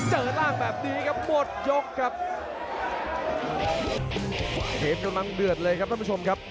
เหกย์กำลังเดือดเลยครับทุกผู้ชมครับ